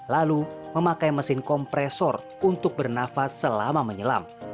lalu memakai mesin kompresor untuk bernafas selama menyelam